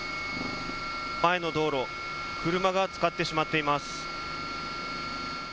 前の道路、車がつかってしまっています。